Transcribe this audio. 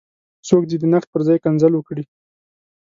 څوک دې د نقد پر ځای کنځل وکړي.